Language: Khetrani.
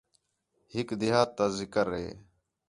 ہِک دیہات تا ذِکر ہِے